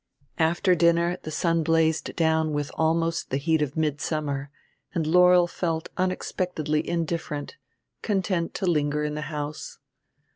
After dinner the sun blazed down with almost the heat of midsummer, and Laurel felt unexpectedly indifferent, content to linger in the house.